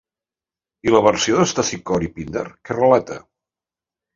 I la versió d'Estesícor i Píndar què relata?